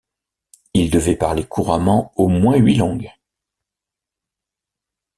Il devait parler couramment au moins huit langues.